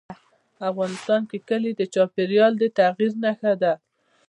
افغانستان کې کلي د چاپېریال د تغیر نښه ده.